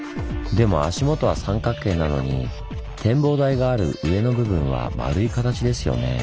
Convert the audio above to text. でも足元は三角形なのに展望台がある上の部分は丸い形ですよねぇ。